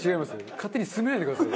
勝手に進めないでください。